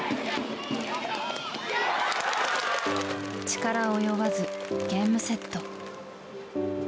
力及ばず、ゲームセット。